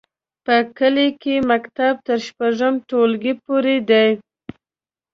په کلي کې مکتب تر شپږم ټولګي پورې دی.